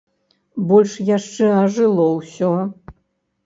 Больш яшчэ ажыло ўсё.